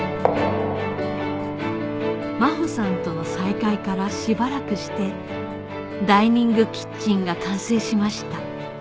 マホさんとの再会からしばらくしてダイニングキッチンが完成しました